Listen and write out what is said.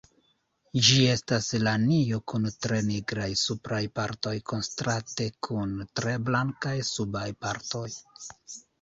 Ĝi estas lanio kun tre nigraj supraj partoj kontraste kun tre blankaj subaj partoj.